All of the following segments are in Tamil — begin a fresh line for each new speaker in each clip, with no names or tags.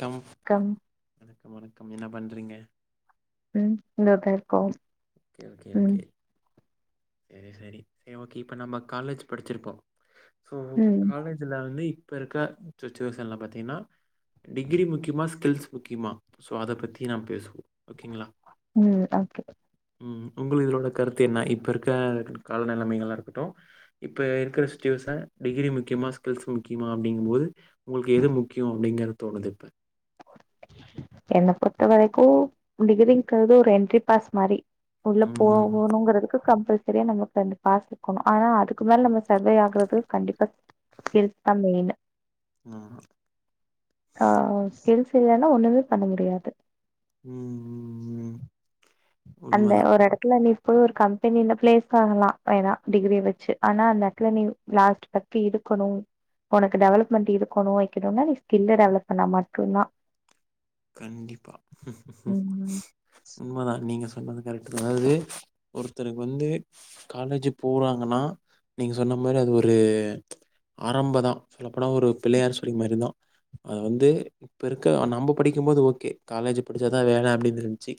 கம்
கம்
ம் வணக்கம் என்ன பண்றிங்க
ம் இந்த தா இருக்கோ
கே ஓகே
ம்
ஓகே செரி செரி செரி ஓகே இப்ப நம்ம காலேஜ் படிச்சிருப்போ சோ
ம்
காலேஜ் இதுல வந்து இப்ப இருக்க சுச்சுவேஷன்ல பாத்தீங்கனா டிகிரி முக்கியமா ஸ்கில்ஸ் முக்கியமா ஸோ அத பத்தி நாம் பேசுவோம் ஓகேங்களா
ம் ஓகே
ம் உங்களு இதுலோட கருத்து என்ன இப்ப இருக்க கால நெலமைகளா இருக்கட்டு இப்ப இருக்கற சுச்சுவேஷன் டிகிரி முக்கியமா ஸ்கில்ஸ் முக்கியமா அப்டிங்குங் போது உங்களுக்கு எது முக்கியோ அப்படிங்கற தோணுது இப்ப
என்ன பொறுத்த வரைக்கு டிகிரிங்கறது ஒரு என்ட்ரி பாஸ் மாரி உள்ள
ம்
போகணுங்கறதுக்கு கம்பல் சரியா நமக்கு அந்த பாஸ் இருக்கனு ஆனா அதுக்கு மேல நம்ம சர்வே ஆகறது கண்டிப்பா கில்ஸ் தா மெயினு
ஆ ஹா
ஆ கில்ஸ் இல்லனா ஒண்ணுமே பண்ண முடியாது
ம் ம் ம்
அந்த
உண்மைதான்
ஒரு எடத்துல நீ போய் ஒரு கம்பெனில பிளேஸ் ஆகலா ஏதா டிகிரி வச்சி ஆனா அந்த அக்லனீவு லாஸ்ட் தி இருக்கனு உனக்கு டெவலப்மெண்ட் இருக்கனு வைக்கனுனா நீ ஸ்கில்ல டெவலப் பண்ணா மட் டுதா
கண்டிப்பா
ம்
உண்மதா நீங்க சொன்னது கரெட்டு தா அதாவது ஒருத்தருக்கு வந்து காலேஜ் போறாங்கன்னா நீங்க சொன்ன மாரி அது ஒரு ஆரம்ப தா சொல்லப் போனா ஒரு பிள்ளையார் சுழி மாரி தா அது வந்து இப்ப இருக்க நம்ப படிக்கு போது ஓகே காலேஜ் படிச்சாதா வேல அப்டின் திருந்த்ச்சு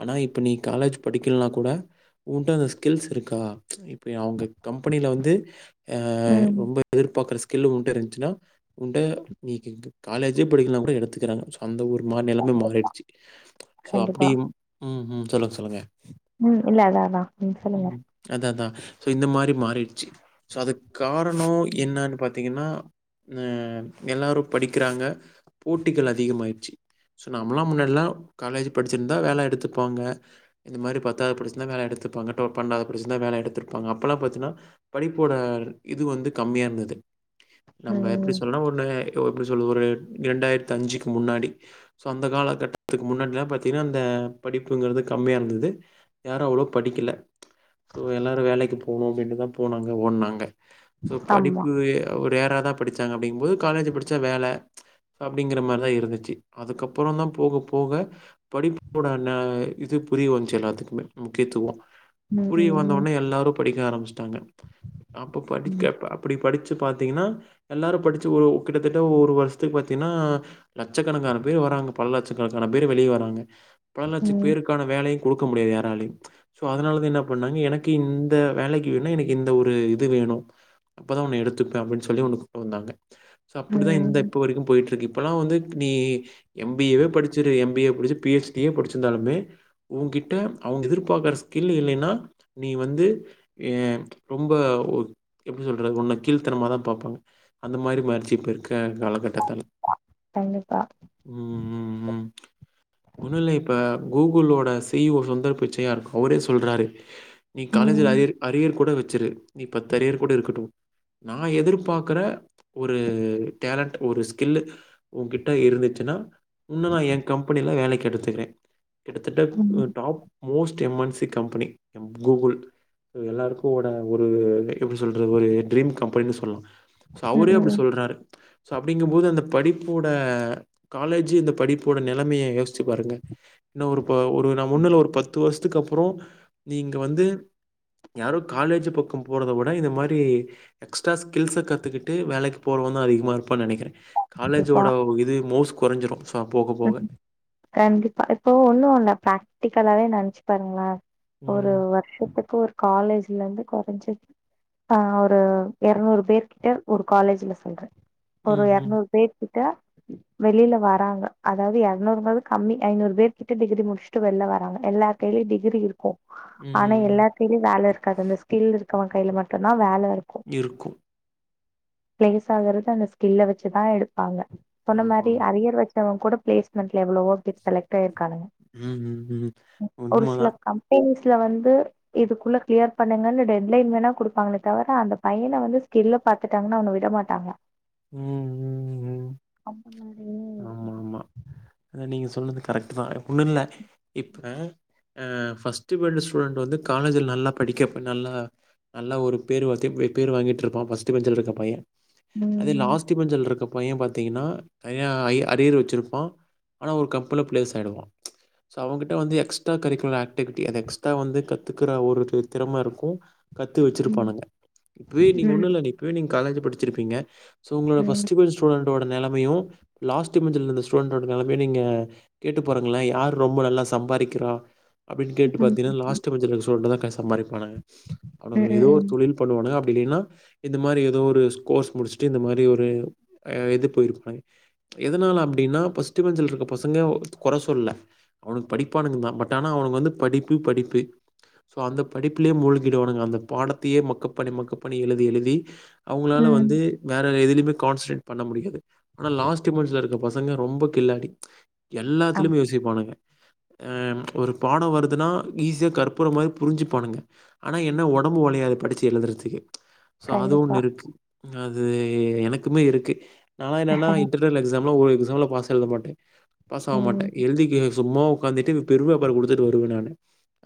ஆனா இப்ப நீ காலேஜ் படிக்கல்னா கூட உன்ட்ட அந்த ஸ்கில்ஸ் இருக்கா இப் அவுங்க கம்பெனில வந்து அ
ம்
ரொம்ப எதிர்பாக்கற ஸ்கில்லு உன்ட்ட இருந்துச்ன்னா உன்ட்ட இ காலேஜே படிக்கலனா கூட எடுத்துக்கிறாங்க அந்த ஒரு மாநிலமே மாறிடுச்சி சோ
கண்டிப்பா
அப்டி ம் ம் சொல்லுங்க சொல்லுங்க
ம் இல்ல அதா அதா நீங்க சொல்லுங்க
அதா அதா சோ இந்த மாரி மாறிடுச்சு சோ அது காரணோ என்னான்னு பாத்தீங்கனா ம் எல்லாரு படிக்கிறாங்க போட்டிகள் அதிகமாயிரு சி சோ நம்மலா முன்னாடில்லா காலேஜ் படிச்சிருந்தா வேல எடுத்து பாங்க இந்த மாரி பத்தாவது படிச்சிருந்தா வேல எடுத்துப்பாங்க டோ பண்டாவது படிச்சிருந்தா வேல எடுத்துருப்பாங்க அப்பலா பாத்தினா படிப்போட இது வந்து கம்மியா இருந்தது நம்ம எப்டி
ம்
சொல்னா ஒன்னு எப்புடி சொல்ல ஒரு ரெண்டாயிரத்து அஞ்சுக்கு முன்னாடி ஸோ அந்த கால கட்டத்துக்கு முன்னாடில்லா பாத்தீனா அந்த படிப்புங்கறது கம்மியா இருந்தது யாரு அவ்ளோ படிக்கல சோ எல்லாரு வேலைக்கு போணு அப்புடின்னு தா போனாங்க ஓட்னாங்க சோ
ஆமா
படிப்பு எ ஒரு ரேரா தா படிச்சாங்க அப்டிங்குபோது காலேஜ் படிச்சா வேல அப்டிங்கற மாரிதா இருந்துச்சி அதுக்கப்புறோ தா போக போக படிப்பு கூட அன்ன இது புரிய வந்துச்சு எல்லாத்துக்குமே முக்கியத்துவோ
ம்
புரிய
ம்
வந்தவுன்னே எல்லாரு படிக்க ஆரம்பிச்ட்டாங்க அப்ப
ம்
படிக்க அப்டி படிச்சி பாத்தீங்கனா எல்லாரு படிச்சு ஒரு கிட்டத்தட்ட ஒரு வருஷத்துக்கு பாத்தீனா லட்சக்கணக்கான க பல லட்சக்கனக்கான பேரு வெளிய வராங்க பல லச்ச
ம்
பேருக்கான வேலையு குடுக்க முடியாது யாராலையு சோ அதனால தா என்ன பண்ணாங்க எனக்கு இந்த வேலைக்கு வேணுனா எனக்கு இந்த ஒரு இது வேணு அப்ப தா உன்ன எடுத்துப்பே அப்டின்னு சொல்லி ஒன்னு கொன்டு வந்தாங்க சோ அப்புடித்தா இந்த
ம்
இப்ப வரைக்கு போயிட்டு இருக்கு இப்பல்லா வந்து நீ எம் பி ஏவே படிச்சுரு எம் பி ஏ படிச்சு பி ஹெ ச் டியே படிச்சிருந்தாலுமே ஓங்க்கிட்ட அவுங்க எதிர்பாக்குற ஸ்கில் இல்லேனா நீ வந்து ஏ ரொம்ப ஒ எப்பிடி சொல்றது ஒன்ன கீழ்த்தனமாதா பாப்பாங்க அந்த மாரி மார்ச்சு இப்பகுக்க காலகட்டத்தல
கண்டிப்பா
ம் ம் ம் ஒண்ணுல்ல இப்ப கூகுளோட சி இ ஓ சுந்தர் பிச்சையாருக் அவுரே சொல்றாரு நீ காலேஜ்ல
ம்
அயரு அரியர் கூட வச்சுரு நீ பத்து அரியர் கூட இருக்கட்டும் நா எதிர்பாக்குற ஒரு டேலண்ட் ஒரு ஸ்கில்லு ஓங்கிட்ட இருந்துச்சுனா உன்னு நா ஏங்கம்பெனில வேலைக்கெடுத்துக்கிறன்
ம்
கிட்டத்தட்ட top most M N C company ம் கூகுள் எல்லாருக்கு ஓட ஒரு எப்பிடி சொல்றது ஒரு ட்ரீம் கம்பெனின் சொல்லா சோ
ம் ம்
அவுரே அப்பிடி சொல்றாரு சோ அப்டிங்கும்போது அந்த படிப்போட காலேஜு இந்த படிப்போட நெலமையை யோசிச்சு பாருங்க இன்னு ஒரு ப ஒரு நா ஒன்னுல்ல ஒரு பத்து வருஷத்துக்கு அப்புற நீங்க வந்து யாரோ காலேஜு பக்கம் போறத விட இத மாதிரி எக்ஸ்ட்ரா ஸ்கில்ஸ கத்துக்கிட்டு வேலைக்கு போறவ தா அதிகமா இருப்பான்னு நெனைக்கிற
கண்டிப்பா
காலேஜோட இது மௌஸ் கொறைஞ்சிரு சோ போக போக
ம் கண்டிப்பா இப்போ ஒண்ணு இல்ல ப்ராக்டிக்கலாவே நெனச்சு பாருங்ளே
ம்.
ஒரு வொர்க் வர்ஷத்துக்கு ஒரு காலேஜ்ல இருந்து கொறஞ்சிது ஆ ஒரு எரநூறு பேருக்கிட்ட ஒரு காலேஜ்ல சொல்ற ஒரு
ம்ஹ்ம்.
எரநூறு பேர் கிட்ட வெளியில வராங்க அதாவது எரநூறுங்கது கம்மி ஐநூறு பேர்க்கிட்ட டிகிரி முடிஸ்ட்டு வெள்ல வராங்க எல்லா கையிலயு டிகிரி இருக்கு ஆனா
ம். ம்.
எல்லார் கையிலு வேல இருக்காது அந்த ஸ்கில் இருக்கவ கையில மட்டுந்தா வேல இருக்கு
இருக்கு
பிளேஸ் ஆகுறது அந்த ஸ்கில்ல வச்சுதா எடுப்பாங்க சொன்ன மாரி
ஆமாமா.
அரியர் வச் எங்கூட பிளேஸ்மெண்ட்ல எவ்ளவோ பேர் செலக்ட் ஆயிருக்கானுங்க
ம், ம், ம்.
ஒரு சில
உண்மதான்.
கம் ஃப்ரெண்ட்ஸ்ல வந்து இதுக்குள்ள கிளியர் பண்ணுங்கனு டெட் லைன் வேணா குடுப்பாங்களே தவிர அந்த பையன வந்து ஸ்கில்ல பாத்துட்டாங்கன்னா அவன விட மாட்டாங்க
ம் ம் ம்.
அம்ப மார இருக்குது
அதான நீங்க சொன்னது கரெக்ட் தா ஒன்று இல்லை இப்ப ஃபஸ்ட்டு வேண்ட ஸ்டூடண்ட் வந்து காலேஜில் நல்லா படிக்க போய் நல்லா நல்லா ஒரு பேர் வற்றி பேர் வாங்கிட்டுருப்பா ஃபஸ்ட்டு பெஞ்சில் இருக்கற பையன்
ம்
அதே
ம்
லாஸ்டி பெஞ்சள் இருக்கப்ப பைய பாத்தீங்கன்னா அரியர் வச்சிருப்பா ஆனா ஒரு கம்பல பிளேஸ் ஆயிடுவ சோ அவங்க கிட்ட வந்து எக்ஸ்ட்ரா கரிக்குலர் ஆக்டிவிட்டி அதை எக்ஸ்ட்ரா வந்து கத்துக்கற ஒரு திறமை இருக்கு கத்து
ம்
வச்சிருப்பானுங்க இப்பவே நீங்க ஒண்ணு இல்லலை நீ இப்பவே நீங்க காலேஜ்ல படிச்சிருப்பீங்க சோ உங்களோட
ம்
பஸ்ட பெஞ்ச் ஸ்டுடென்ட் நிலையு லாஸ்ட் பெஞ்ச் ஸோட ஸ்டூடண்ட் ஓட நிலமையா நீங்க கேட்டு போறீங்களே யாம் ரொம்ப நல்லா சம்பாதிக்கிறோ அப்டின்னு கேட்டு
ம்
பாத்தீங்கன்னா
ம்
லாஸ்ட்ஞ பெஞ்ச் ஸ்டுடென்ட் தான் சம்பாதிப்பாக
ம்
அவங்க ஏதோ
ம்
ஒரு
ம்
தொழில் பண்ணுவாங்க அப்படி இல்லைன்னா இந்த மாதிரி ஏதோ ஒரு கோர்ஸ் முடிச்சுட்டு இந்த மாதிரி ஒரு அஹஇது போயிருப்பனாங்க எதனால அப்டின்னா பஸ்டுபெஞ்சுல இருக்க பசங்க குறை சொல்லல அவனு படிப்பானுக்கு தா பட் ஆனா அவனு வந்து படிப்பு படிப்பு சோ அந்த படிப்புலேயே மூழ்கிடுவானுங்க அந்த பாடத்தையே மக்க பண்ணி மக்க பணி எழுதி எழுதி அவங்களால்
ம்
வந்து வேறு எதுலையுமே கான்சன்ட்ரேட் பண்ண முடியாது ஆனால் லாஸ்ட் மந்த்ஸில் இருக்க பசங்க ரொம்ப இல்லாடி
ஆம்
எல்லாத்திலு யோசிப்பனுங்க ஒரு பாடம் வருதுன்னா ஈஸியாக கற்பற மாதிரி புரிஞ்சு பானுங்க ஆனா என்ன உடம்பு ஒழையாது படிச்சு எழுதுறதுக்கு சோ அது
கண்டிப்பா
ஒண்ணு இருக்கு அது எனக்குமே இருக்கு நாலா என்னன்னா
ம்
இட எக்ஸாம்ல ஒரு எக்ஸாம்ல பாஸ் எழுத மாட்டே பாஸ் ஆக மாட்டே
ம்
எழுதி சும்மா ட்டு பெர அம் கொடுத்துட்டு வருவன் நான்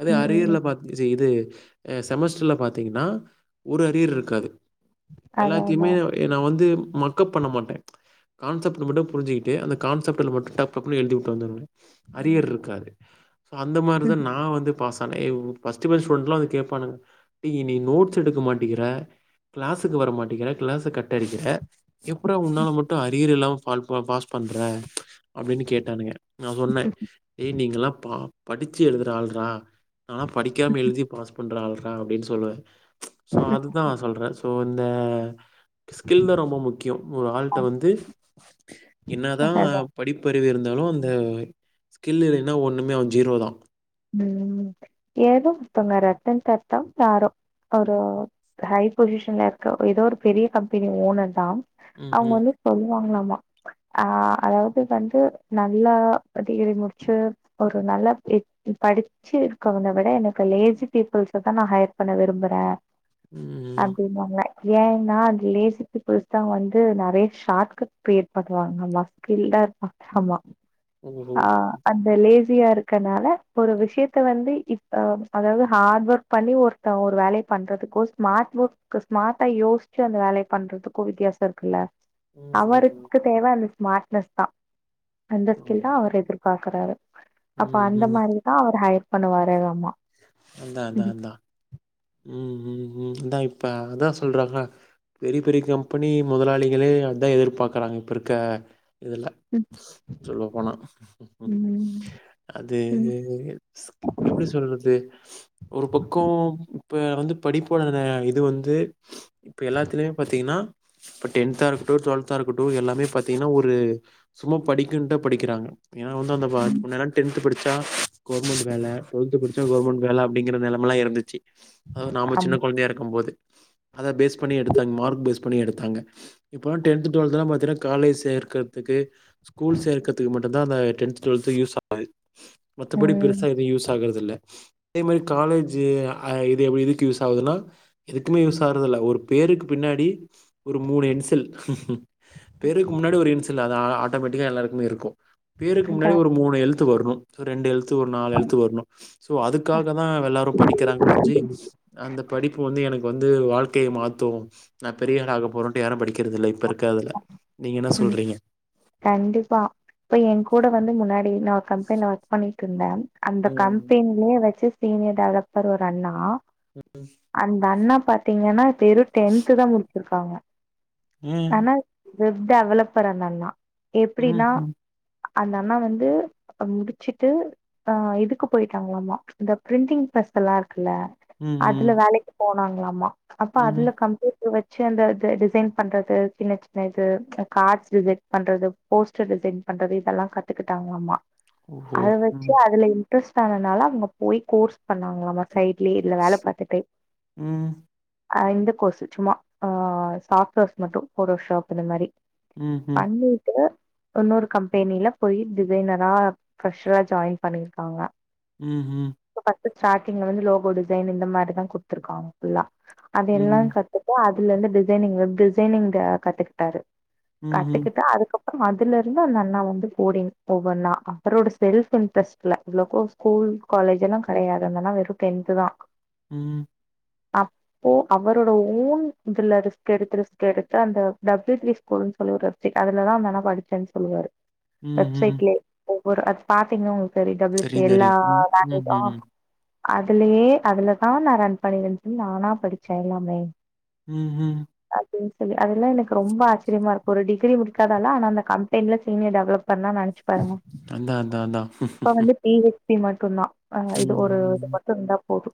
அதது
ம் ம்
அரியல பாத்த இ இதுஹ செமஸ்டர்ல பாத்தீங்கன்னா ஒரு அரியர் இருக்காது
அதான்
எல்லாத்தையுமே
அதான்
நா வந்து மக்கஅப் பண்ண மாட்டே கான்செப்ட் மட்டும் புரிஞ்சுிக்கிட்டு அந்த கான்செப்ட்ல மட்டு டக்னு எழுதிட்டு வந்த வஅரியர்
ம்
இருக்காரு அந்த மாரி தா நா வந்து பாஸ் ஆனே ஃபஸ்டுக் பே அ டுண்ட்லாம் வ கேட்பானங்க நீ நோட்ஸ் எடுக்க மாட்டேங்கிற கிளாஸக்கு வர மாட்டேங்கிற கிளாஸ கட்டடிக்கிற எப்புற உன்னால மட்டு அரியல் இல்லாம ப பாஸ் பண்ற அப்டின்னு கேட்டானுங்க நா சொன்னே ஏய் நீங்கல்லா பா படிச்சு எழுதுற ஆள்ராா ஆனா படிக்காம எழுதி பாஸ் பண்ற ஆள்ரா அப்டின்னு சொல்லுவே சோ அதுதா சொல்றே சோ இந்த ஸ்கில் தா ரொம்ப முக்கிய ஒரு ஆல் வந்து என்ன தா
அதான்
படிப்பறிவு இருந்தாலு அந்த ஸ்கில் இல்லைன்னா ஒன்றுமே அவன் ஜீரோ தா
ம் ஏதோத்தங்க ரத்த தாத்த தார ஒரு ஹை பொசிஷன்ல இருக்க ஏதோ ஒரு பெரிய கம்பெனி ஓனர் தா அவங்க
ம்ஹ்ம்.
வந்து சொல்லுவாங்களலாமா ஆ அதாவது வந்து நல்லா டிகிரி முடிச்சு ஒரு நல்ல எ- படிச்சு இருக்கவனை விட எனக்கு லேசி பீப்புள்ஸ தா நா ஹையர் பண்ண விரும்புறே
ம்
அப்டின்னா ஏன்னா அது லேசித்து பெருசு தா வந்து நெறைய ஷார்ட கட் ப்ப ஏற்காடு வாங்க மா சில்லா இருக்கு ஆமா
ஓஹோ!
ஆ அந்த லேசியா இருக்கனால ஒரு விஷயத்த வந்து இப்ப அதாவது ஹார்ட் ஒர்க் பண்ணி ஒருத்த ஒரு வேலய பண்றதுக்கு ஸ்மார்ட் ஒர்க் க்கு ஸ்மார்ட்டா யோஸ்ச்சு அந்த வேலய பண்றதுக்கு வித்தியாச இருக்குல்ல
ம், ம், ம்.
அவருக்கு தேவ அந்த ஸ்மார்ட்னஸ்தா அந்த
ஆமா.
ஸ்கில்தா அவர் எதிர் பாக்குறாரு அப்ப
ம்,
அந்த
ம்.
மாரிதா அவர் ஹயர் பண்ணுவாரே வாம்மா
அதா அதா அதா ம் ஹூம் ஹூம் தா இப்ப அதா சொல்றாங்கா பெரி பெரிய கம்பெனி முதலாளிகளே அதா எதிர்பார்க்கறாங்க இப்பருக்க இதுல சொல்லப்போனா
ம்
அது
ம்
ஸ் எப்டி சொல்றது ஒரு பக்கொ இப்ப வந்து படிப்போட இது வந்து இப்ப எல்லாத்துலயு பாத்தீங்னா இப்ப டென்த்தா இருக்கட்டு டுவெல்த்தா இருக்கட்டு எல்லாமே பாத்தீங்கனா ஒரு சும்மா படிக்கனும்டே படிக்கிறாங்க ஏனா வந்தோ அந்த நம்ம
ம்
முன்னேலா டென்த் த்து படிச்சா கவர்மெண்ட் வேல டுவெல்த் படிச்சா கவர்மெண்ட் வேல அப்டிங்கிற நெலமலா இருந்துச்சு அதாவது நாம
அம்
சின்ன கொழந்தையா இருக்கும் போது அத பேஸ் பண்ணி எடுத்தாங்க மார்க் பேஸ் பண்ணி எடுத்தாங்க இப்பல்லா டென்த் டுவெல்த்தெல்லா பாத்தீனா காலேஜ் சேர்க்கத்துக்கு ஸ்கூல் சேர்க்கத்துக்கு மட்டுந்தா அந்த டென்த் டுவல்த் யூஸ் ஆவ் க மத்தபடி
ம்
பெருசா எதுவு யூஸ் ஆகுறது இல்ல அதே மாதிரி காலேஜூ அ இது எப்டி இதுக்கு யூஸ் ஆவுதுன்னா எதுக்குமே யூஸ் ஆவறதில்ல ஒரு பேருக்கு பின்னாடி ஒரு மூணு இன்சியல் பேருக் முன்னாடி ஒரு இன்சியல் அது ஆட்டோமேட்டிக்கா எல்லாருக்குமே இருக்கு பேருக்கு
அதா
முன்னாடி
ம்
ஒரு மூணு எழுத்து வர்னு சோ ரெண்டு எழுத்து ஒரு நாலு எழுத்து வரணு சோ அதுக்காகதா எல்லாரு படிக்கிறாங்க ஒழிஞ்சி அந்த படிப்பு வந்து எனக்கு வந்து வாழ்க்கய மாத்து நான் பெரியாள ஆக போறேன்ட்டு யாரு படிக்கிறதில்ல இப்ப இருக்கதுல நீங்க என்ன
அதான்.
சொல்றீங்க
கண்டிப்பா இப்ப ஏ கூட வந்து முன்னாடி நா ஒரு கம்பெனில ஒர்க் பண்ணிட் இருந்த அந்த
ம்
கம்பெனிலே வெப்சிஸ் சீனியர் டெவலப்பர் ஒரு அண்ணா
உ உ
அந்த அண்ணா பாத்தீங்கனா வெறு டென்த்து தா முடிச்சிருக்காங்க
ம்
ஆனா வெப் டெவலப்பர் அந்த அண்ணா
ம்
எப்டினா
ம்
அந்த அண்ணா வந்து முடிச்சிட்டு போ இதுக்கு பொய்ட்டாங்களாமா இந்த பிரிண்டிங் ப்ரெஸ் எல்லா இருக்குல அதுல
ம்
வேலைக் போனாங்களாமா அப்ப
ம் ம்
அதுல கம்ப்யூ இது வெச்சு அந்த இது டிசைன் பண்றது சின்ன சின்ன இது அ கார்ட்ஸ் டிசெய்ன் பண்றது போஸ்டர் டிசைன் பண்றது இதெல்லா கத்துக்குட்டாங்களாமா
ஓஹோ
அத வெச்சு
ம்
அதுல இன்ட்ரெஸ்ட் ஆனதுனால அவங்க போய் கோர்ஸ் பண்ணாங்களாமா சைட்லயே இதுல வேல பாத்துட்டே
ம்
அ இந்த கோர்ஸு சும்மா ஆ சாப்ட்வேர்ஸ் மட்டு போட்டோ ஷாப் அ இந்த மாரி
ம் ம்
பண்ணிட்டு ஒன்னொரு கம்பெனில போய் டிசைனரா ஃப்ரெஷரா ஜாயின் பண்ணியிருக்காங்க
ம் ஹூ
இப்ப பஸ்ட் ஸ்டார்ட்டிங்ல வந்து லோகோ டிசைன் இந்த மாரிதா குடுத்துருக்காங்க ஃபுல்ல அதயெல்லாம்
ம்.
கத் குட்டு அதுல இருந்து டிசைனிங் வெப் டிசைனிங் அ கத்துக்கிட்டாரு
ம்ஹ்ம்.
கத்துக்கிட்டு அதுக்கப் அதுலருந்து அந்த அண்ணா வந்து போடிங் ஒவ்வொண்ணா அவரோட செல்ஃப் இன்ட்ரெஸ்ட்ல இவ்ளோக்கு ஸ்கூல் காலேஜ் எல்லா கடயாது அந்த அண்ணா வெறு டென்த் தா
ம்
அப்போ அவரோட ஓன் இதுல ரிஸ்க் எடுத்து ரிஸ்க் எடுத்து அந்த டப்யூ த்ரீ ஸ்கூல்னு சொல்லி ஒரு இ அதுலதா அந்த அண்ணா படிச்சேன்னு சொல்லுவாரு
ம்ஹ்ம்.
வெப்சைட்லே ஒவ்வோரு அது பாத்தீங்கன்னா உங்குளுக்கு செரி டப்யூ த்ரீ
தெரியும்,
எல்லா
தெரியும். ம்.
லேங்வேஜோ
ம்ஹ்ம்.
அதுலயே அதுலதா நா ரன் பண்ணிருன்ன நானா படிச்சே எல்லாமே
ம் ம்
அது செரி அதெல்லா எனக்கு ரொம்ப ஆச்சரியமா இருக்கோ ஒரு டிகிரி முடிக்காதாலு ஆன அந்த கம்பெனில சீனியர் டெவலப்பர் னா நெனச்சே பாருங்க
அதான், அதான், அதான்.
அப்ப வந்து பி ஹச் டி மட்டுந்தா ஆ இது ஒரு இது
ம்.
மட்டு இருந்தா போது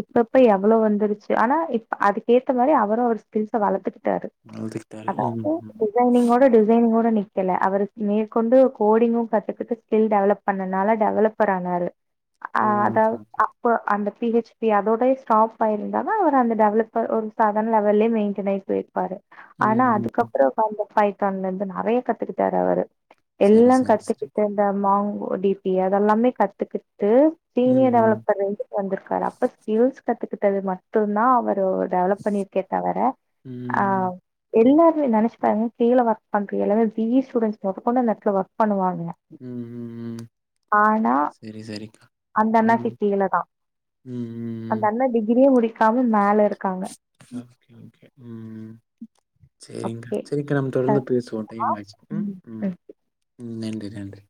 இப்பப்ப எவ்வளோ வந்துருச்சு ஆனா இப்ப அதுக்கு ஏத்த மாரி அவரோ அவரு ஸ்கில்ஸ வளத்துக்கிட்டாரு
அழுதுகிட்டாரு.
அதாவது
ம்ஹ்ம்.
டிசைனிங்கோட டிசைனிங்கோட நிக் ல்ல அவரு மேற்கொண்டு கோடிங்கோ கத்துக்கிட்டு ஸ்கில் டெவலப் பண்ணனால டெவலப்பர் ஆனாரு ஆ
ஓ!
அதா
ஓகே,
வ
ஓகே.
இப்போ அந்த பி ஹெச் பி அதோட ஸ்டாப் ஆயிருந்ததா அவரு அந்த டெவலப்பர் ஒரு சாத லெவல்லே மெயின்டென் போய்ர்ப்பாரு
ம்,
ஆனா
ம்.
அதுக்கப்புறோ வந்த பைத்தான்ல இருந்து நறையா கத்துக்கிட்டாரு அவரு
சரி,
எல்லாமே
சரி, சரி.
கத்துக்கிட்டு இந்த மாங்கு டி பி அதெல்லாமே கத்துக்கிட்டு
ம்,
சீனியர்
ம்.
டெவலப்பர்லந்து வந்திருக்காரு அப்ப ஸ்கில்ஸ் கத்துக்கிட்டது மட்டுந்தா அவரு டெவலப் பண்ணிருக்கே தவர ஆ
ம்.
எல்லாருமே நெனைச்சு பாருங்க கீழ ஒர்க் பண்ற எல்லாமே பி இ ஸ்டூடென்ட்ஸ் மொதற் கொண்டு அந்த எடத்துல ஒர்க் பண்ணுவாங்க
ம் ம் ம்
ஆனா
ம்.
அந்தண்ணாக்கு கீழதா
ம்
அந்த
ம்.
அண்ணா டிகிரியே முடிக்காம மேல இருக்காங்க
ஓகே ஓகே ம் சரிங்க்கா
ஓகே
சரிங்கா நம்ம தொடர்ந்து பேசுவோ டைம் ஆயிச்சு
ம் ம்.
நன்றி நன்றி